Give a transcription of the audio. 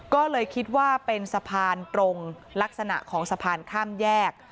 ก็เลยคิดว่าเป็นสะพานตรงลักษณะของสะพานข้ามแยก